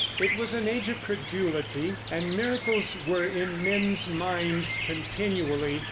It was an age of credulity, and miracles were in men's minds continually.